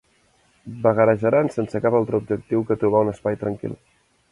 Vagarejaran sense cap altre objectiu que trobar un espai tranquil.